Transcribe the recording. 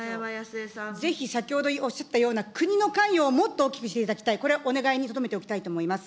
ぜひ先ほどおっしゃったような国の関与をもっと大きくしていただきたい、これ、お願いにとどめておきたいと思います。